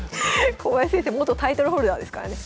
小林先生元タイトルホルダーですからね。